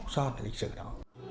so với lịch sử đó